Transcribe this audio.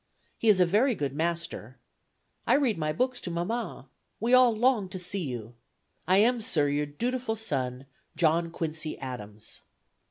He is a very good master. I read my books to mamma. We all long to see you. I am, sir, your dutiful son, "JOHN QUINCY ADAMS."